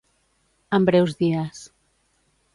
En breus dies.